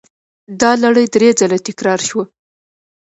دا لړۍ درې ځله تکرار شوه.